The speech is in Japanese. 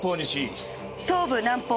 頭部南方。